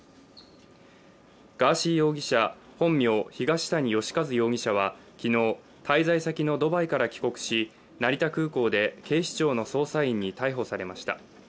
ガーシー容疑者、本名・東谷義和容疑者は昨日、滞在先のドバイから帰国し成田空港で警視庁の捜査員に逮捕されました。